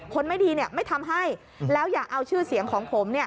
คนไม่ดีไม่ทำให้แล้วอย่าเอาชื่อเสียงของผม